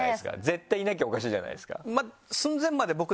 絶対いなきゃおかしいじゃないですか。